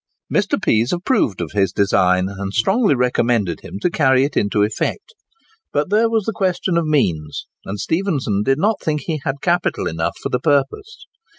Mr. Pease approved of his design, and strongly recommended him to carry it into effect. But there was the question of means; and Stephenson did not think he had capital enough for the purpose.